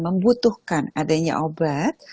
membutuhkan adanya obat